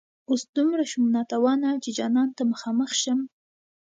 اوس دومره شوم ناتوانه چي جانان ته مخامخ شم